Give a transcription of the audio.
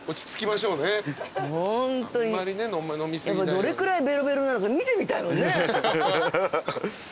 どれくらいベロベロなのか見てみたいもんね。